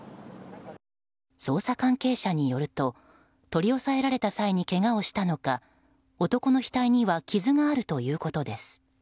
捜査関係者によると取り押さえられた際にけがをしたのか男の額には傷があるということです。